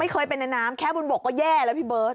เคยเป็นในน้ำแค่บนบกก็แย่แล้วพี่เบิร์ต